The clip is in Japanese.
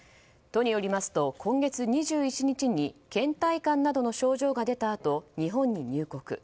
都によりますと今月２１日に倦怠感などの症状が出たあと日本に入国。